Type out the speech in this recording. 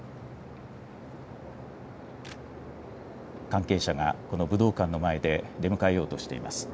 関係者が、この武道館の前で出迎えようとしています。